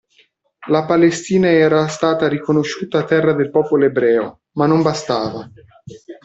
La Palestina era stata riconosciuta terra del popolo ebreo, ma non bastava!